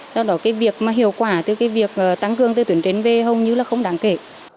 do đó cái việc mà hiệu quả từ cái việc tăng cường từ tuyến đến về hầu như là không đáng kể